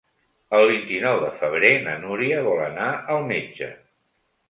El vint-i-nou de febrer na Núria vol anar al metge.